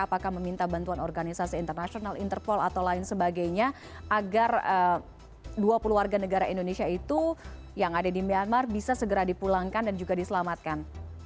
apakah meminta bantuan organisasi internasional interpol atau lain sebagainya agar dua puluh warga negara indonesia itu yang ada di myanmar bisa segera dipulangkan dan juga diselamatkan